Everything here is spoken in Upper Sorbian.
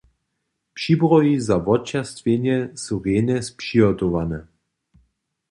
Přibrjohi za wočerstwjenje su rjenje spřihotowane.